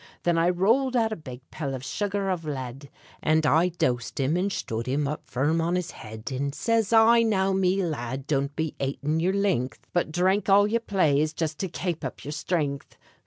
Thin I rowled out a big pill av sugar av lead, And I dosed him, and shtood him up firm on his head, And says I: "Now, me lad, don't be atin' yer lingth, But dhrink all ye plaze, jist to kape up yer shtringth."